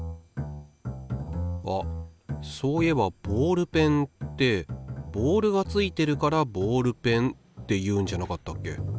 あっそういえばボールペンってボールがついてるからボールペンっていうんじゃなかったっけ？